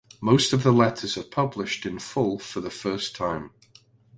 Most of the letters are published in full for the first time.